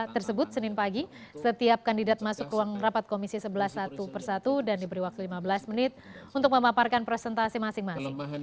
tersebut senin pagi setiap kandidat masuk ruang rapat komisi sebelas satu persatu dan diberi waktu lima belas menit untuk memaparkan presentasi masing masing